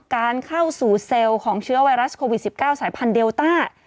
การเข้าสู่เซลล์ของเชื้อไวรัสโควิด๑๙สายพันธุเดลต้า